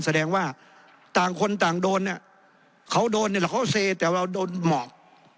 แสดงว่าต่างคนต่างโดนเขาโดนเขาเซแต่เราโดนหมอก